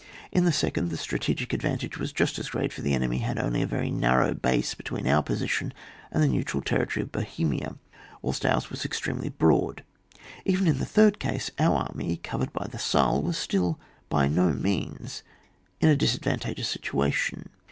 In the second, the strategic advantage was just as great, for the enemy had only a very narrow base between our position and the neutral territory of Bo hemia, whilst ours was extremely broad; even in the third case, our army, covered by the Saale, was still by no means in a disadvantageous situation.